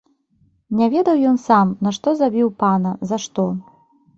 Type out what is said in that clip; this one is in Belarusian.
Не ведаў ён сам, нашто забіў пана, за што.